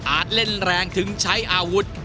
เล่นแรงถึงใช้อาวุธ